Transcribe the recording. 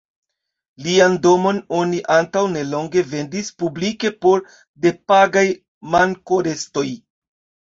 Lian domon oni antaŭ nelonge vendis publike por depagaj mankorestoj.